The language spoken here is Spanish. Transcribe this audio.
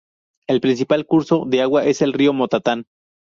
El principal curso de agua es el río Motatán.